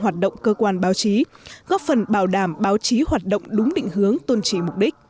hoạt động cơ quan báo chí góp phần bảo đảm báo chí hoạt động đúng định hướng tôn trí mục đích